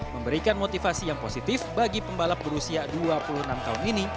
memberikan motivasi yang positif bagi pembalap berusia dua puluh enam tahun ini